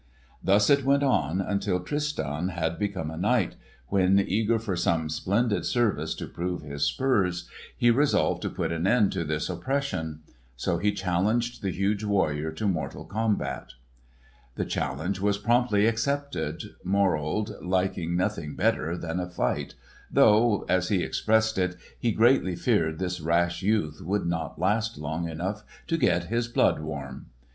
Thus it went on until Tristan had become a knight, when eager for some splendid service to prove his spurs, he resolved to put an end to this oppression. So he challenged the huge warrior to mortal combat. The challenge was promptly accepted, Morold liking nothing better than a fight, though—as he expressed it—he greatly feared this rash youth would not last long enough to get his blood warm.